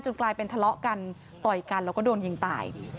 กลายเป็นทะเลาะกันต่อยกันแล้วก็โดนยิงตาย